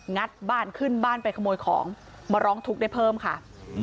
ัดบ้านขึ้นบ้านไปขโมยของมาร้องทุกข์ได้เพิ่มค่ะ